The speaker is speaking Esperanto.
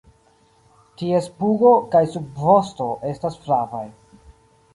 Ties pugo kaj subvosto estas flavaj.